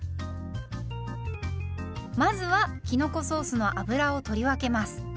まずはきのこソースの油を取り分けます。